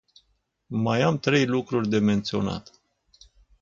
Mai am trei lucruri de menționat.